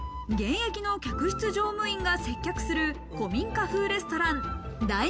現役の客室乗務員が接客する古民家風レストラン、ＤＩＮＩＮＧＰＯＲＴ